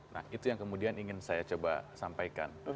nah itu yang kemudian ingin saya coba sampaikan